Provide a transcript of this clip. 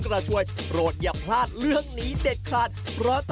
ถ้าอยากรู้ไปดูกันเลย